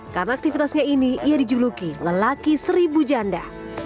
karena aktivitasnya ini ia dijuluki lelaki seribu janda